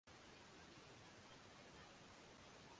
hadi mwaka elfu moja mia nane tisini na tatu